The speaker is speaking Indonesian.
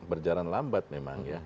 berjalan lambat memang ya